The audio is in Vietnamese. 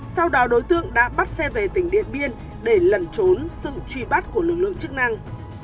sau đó đối tượng đã bắt xe về tỉnh điện biên để lẩn trốn sự truy bắt của lực lượng chức năng